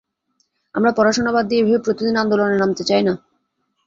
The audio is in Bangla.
আমরা পড়াশোনা বাদ দিয়ে এভাবে প্রতিদিন আন্দোলনে নামতে চাই না।